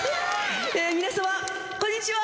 皆様こんにちは！